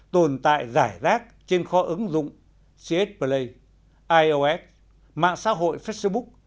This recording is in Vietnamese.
tồn tại giải rác trên kho ứng dụng cs play ios mạng xã hội facebook